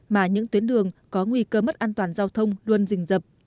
mà những tuyến đường có nguy cơ mất an toàn giao thông luôn rình dập